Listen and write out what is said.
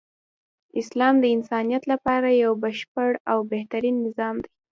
اسلام د انسانیت لپاره یو بشپړ او بهترین نظام دی .